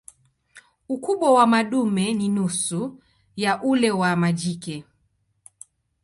Ukubwa wa madume ni nusu ya ule wa majike.